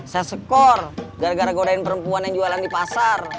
saya skor gara dua goau di perempuan yang kejualan di pasar